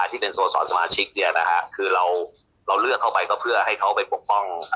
ที่เป็นสโมสรสมาชิกเนี่ยนะฮะคือเราเราเลือกเข้าไปก็เพื่อให้เขาไปปกป้อง